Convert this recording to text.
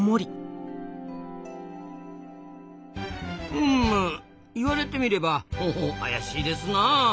うむ言われてみればほうほう怪しいですなぁ。